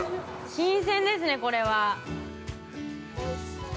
◆新鮮ですね、これは。